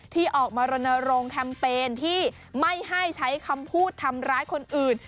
ที่ออกมารณรงค์แคมเปญที่ไม่ให้ใช้คำพูดทำร้ายคนอื่น